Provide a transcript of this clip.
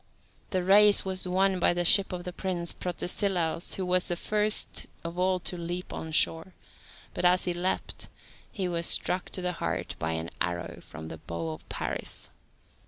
The race was won by the ship of the prince Protesilaus, who was first of all to leap on shore, but as he leaped he was struck to the heart by an arrow from the bow of Paris.